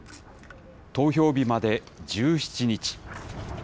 投票日まで１７日。